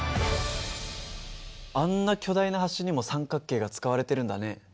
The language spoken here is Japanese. あんな巨大な橋にも三角形が使われてるんだね。